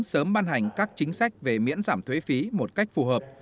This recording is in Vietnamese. sớm ban hành các chính sách về miễn giảm thuế phí một cách phù hợp